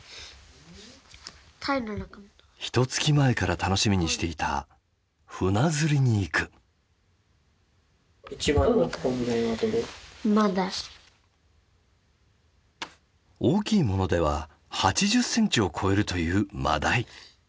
ひとつき前から楽しみにしていた船釣りに行く。大きいものでは８０センチを超えるというマダイ！